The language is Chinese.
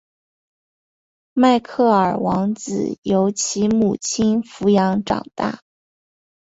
迈克尔王子由其母亲抚养长大。